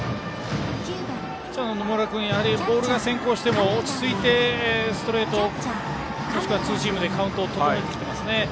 ピッチャーの野村君ボールが先行しても落ち着いてストレートもしくはツーシームでカウントを整えていますね。